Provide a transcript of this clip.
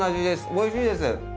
おいしいです！